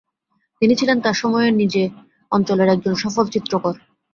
তিনি ছিলেন তার সময়ের নিজে আঞ্চলের একজন সফল চিত্রকর।